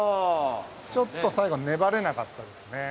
ちょっと最後粘れなかったですね。